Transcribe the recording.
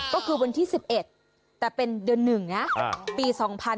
ก็คือวันที่๑๑แต่เป็นเดือน๑นะปี๒๕๕๙